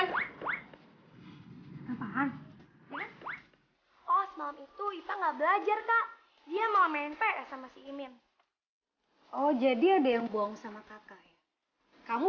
itu itu nggak belajar tak dia mau main ps sama si imin oh jadi ada yang bohong sama kakak kamu